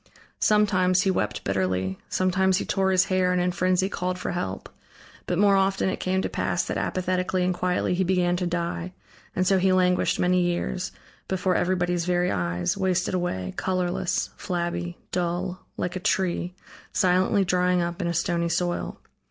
Sometimes, he wept bitterly, sometimes he tore his hair and in frenzy called for help; but more often it came to pass that apathetically and quietly he began to die, and so he languished many years, before everybody's very eyes, wasted away, colorless, flabby, dull, like a tree, silently drying up in a stony soil.